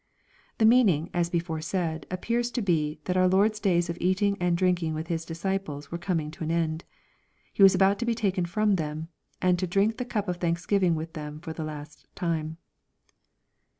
The meaning, as before said, appears to be " that our Lord's days of eating and Jrinking with His disci ples were coming to an end." He was about to be taken fruni them, and to drink the cup of thanksgiving with them for the last time.